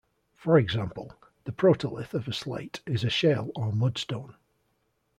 For example, the protolith of a slate is a shale or mudstone.